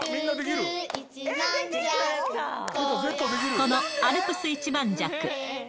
このアルプス一万尺。